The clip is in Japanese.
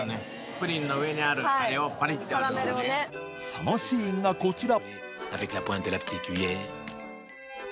そのシーンがこちら